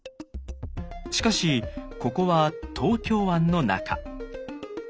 しかしここは東京湾の中。